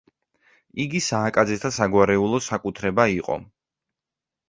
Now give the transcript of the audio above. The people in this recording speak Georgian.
იგი სააკაძეთა საგვარეულო საკუთრება იყო.